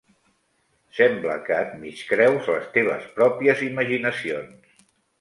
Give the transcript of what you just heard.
Sembla que et mig creus les teves pròpies imaginacions.